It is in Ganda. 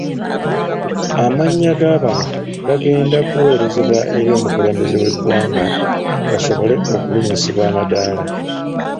Amannya ga bano gagenda kuweerezebwa eri omukulembeze w'eggwanga basobole okulinnyisibwa amadaala.